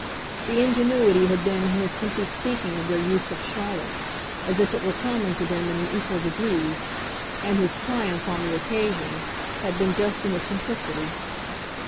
The ingenuity had been in his simply speaking of their use of Charlotte as if it were common to them in an equal degree, and his triumph, on the occasion, had been just in the simplicity.